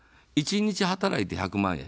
１日働いて１００万円。